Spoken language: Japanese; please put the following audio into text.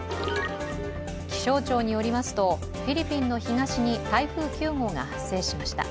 気象庁によりますとフィリピンの東に台風９号が発生しました。